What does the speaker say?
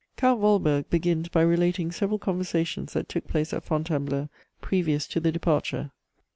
Count Waldburg begins by relating several conversations that took place at Fontainebleau previous to the departure.